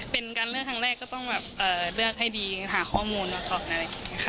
เป็นการเลือกครั้งแรกก็ต้องเลือกให้ดีหาข้อมูลมาสอบไหน